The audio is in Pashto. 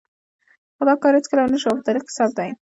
خو دا کار هېڅکله ونه شو او په تاریخ کې ثبت دی.